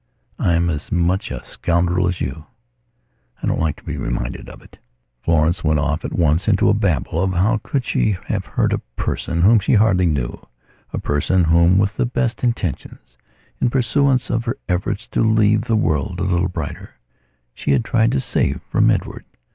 I am as much a scoundrel as you. I don't like to be reminded of it." Florence went off at once into a babble of how could she have hurt a person whom she hardly knew, a person whom with the best intentions, in pursuance of her efforts to leave the world a little brighter, she had tried to save from Edward.